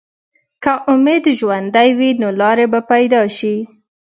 که امید ژوندی وي، نو لارې به پیدا شي.